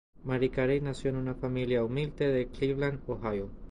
Mary Carey nació en una familia humilde de Cleveland, Ohio.